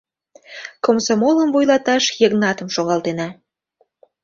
Комсомолым вуйлаташ Йыгнатым шогалтена.